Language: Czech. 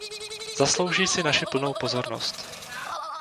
Zaslouží si naši plnou pozornost.